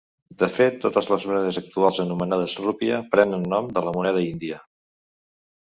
De fet, totes les monedes actuals anomenades rupia prenen el nom de la moneda índia.